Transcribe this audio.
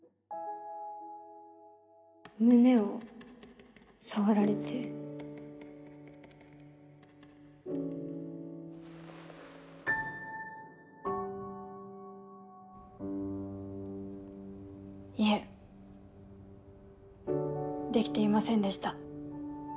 胸を触られていえできていませんでした。